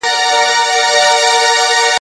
انګرېز ځواکونو ته دلته لویه ماته ورکړل سوه.